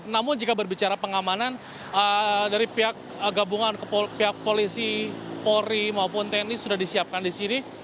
namun jika berbicara pengamanan dari pihak gabungan pihak polisi polri maupun tni sudah disiapkan di sini